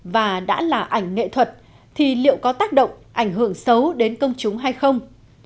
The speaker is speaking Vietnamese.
và đã là ảnh nghệ thuật thì liệu có tác động ảnh hưởng xấu đến công chúng hay không